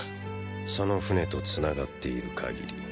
その船と繋がっている限り。